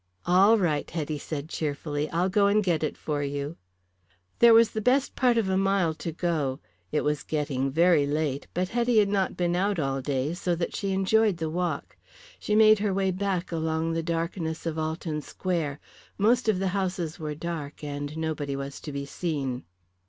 "All right," Hetty said cheerfully. "I'll go and get it for you." There was the best part of a mile to go; it was getting very late, but Hetty had not been out all day, so that she enjoyed the walk. She made her way back along the darkness of Alton Square. Most of the houses were dark, and nobody was to be seen.